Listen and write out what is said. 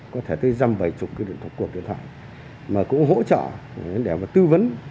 có thể tới dăm bảy chục cuộc điện thoại mà cũng hỗ trợ để tư vấn